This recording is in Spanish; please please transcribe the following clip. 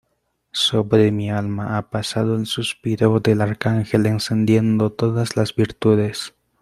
sobre mi alma ha pasado el suspiro del Arcángel encendiendo todas las virtudes.